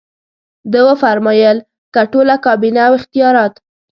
ده وفرمایل که ټوله کابینه او اختیارات.